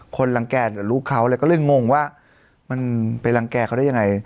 คนรังแก่กับลูกเขาแล้วก็เลยงงว่ามันไปรังแก่เขาได้ยังไง